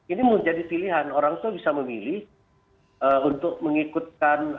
ini menjadi pilihan orang tua bisa memilih untuk mengikutkan